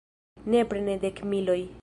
Nepre ne dekmiloj.